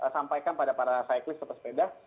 sampaikan pada para saiklist atau sepeda